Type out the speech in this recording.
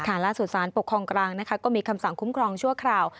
ขณะสุดศปกครองกลางก็มีคำสั่งคุ้มครองชั่วคราว